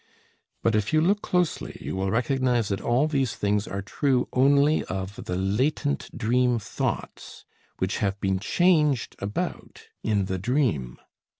But if you look closely, you will recognize that all these things are true only of the latent dream thoughts, which have been changed about in the dream.